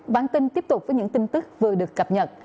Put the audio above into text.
bản tin tiếp tục với những tin tức vừa được cập nhật